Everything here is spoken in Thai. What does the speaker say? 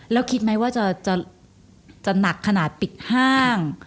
แล้วคิดไหมว่าจะหนักขนาดปิดห้าง